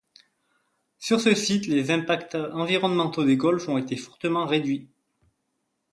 Sur ce site, les impacts environnementaux des golfs ont été fortement réduits.